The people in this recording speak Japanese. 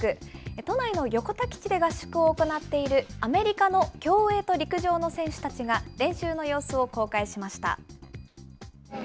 都内の横田基地で合宿を行っているアメリカの競泳と陸上の選手たちが、練習の様子を公開しました。